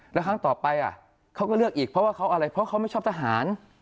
แล้วครั้งต่อไปเขาก็เลือกอีกเพราะว่าเขาอะไรเพราะเขาไม่ชอบทหาร